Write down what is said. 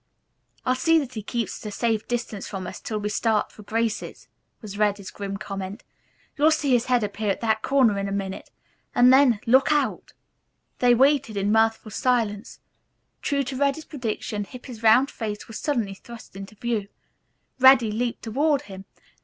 "I'll see that he keeps at a safe distance from us till we start for Grace's," was Reddy's grim comment. "You'll see his head appear at that corner in a minute, and then, look out!" They waited in mirthful silence. True to Reddy's prediction Hippy's round face was suddenly thrust into view. Reddy leaped toward him.